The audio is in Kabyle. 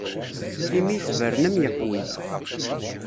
Timi tebren am yeqwi.